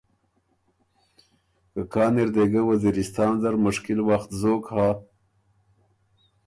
که کان اِر دې ګۀ وزیرستان زر مشکل وخت زوک هۀ،